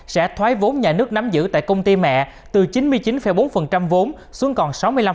sẽ thoái vốn nhà nước nắm giữ tại công ty mẹ từ chín mươi chín bốn vốn xuống còn sáu mươi năm